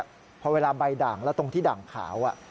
พอเวลาใบด่างแล้วตรงที่ด่างขาว